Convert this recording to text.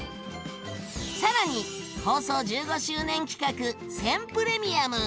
さらに放送１５周年企画「選プレミアム」！